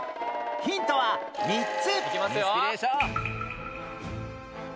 ヒントは３つ